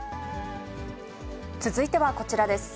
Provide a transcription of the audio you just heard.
続いてはこちらです。